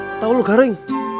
kata lu garing